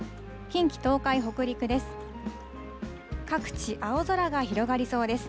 近畿、東海、北陸です。